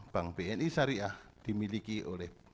bank bni syariah dimiliki oleh